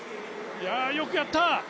いや、よくやった！